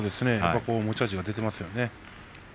持ち味が出ていますね。